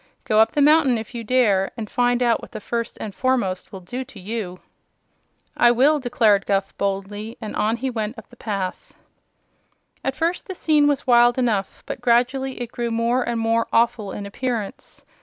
"Go up the mountain, if you dare, and find out what the First and Foremost will do to you!" "I will," declared Guph, boldly; and on he went up the path. At first the scene was wild enough, but gradually it grew more and more awful in appearance.